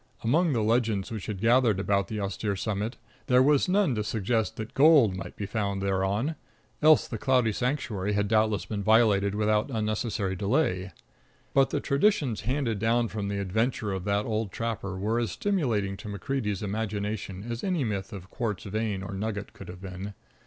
Among the legends which had gathered about the austere summit, there was none to suggest that gold might be found thereon, else the cloudy sanctuary had doubtless been violated without unnecessary delay. But the traditions handed down from the adventure of that old trapper were as stimulating to MacCreedy's imagination as any myth of quartz vein or nugget could have been.